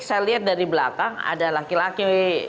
saya lihat dari belakang ada laki laki